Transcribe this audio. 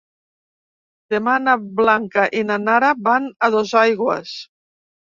Demà na Blanca i na Nara van a Dosaigües.